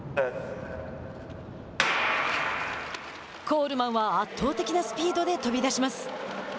コールマンは圧倒的なスピードで飛び出します。